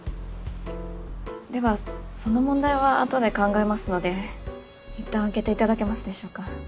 その問題はあとで考えますので一旦開けていただけますでしょうか。